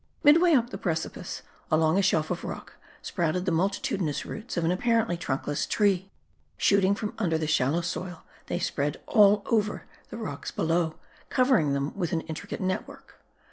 Midway up the precipice, along a shelf < of rock, sprouted the multitudinous roots of an apparently trunkless tree. Shooting from under the shallow soil, they spread all over the rocks below, covering them with an intricate net work.